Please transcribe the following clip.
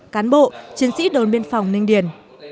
cán bộ chiến sĩ đồn biên phòng ninh điền